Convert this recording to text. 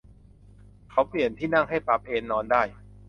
เขาเปลี่ยนที่นั่งให้ปรับเอนนอนได้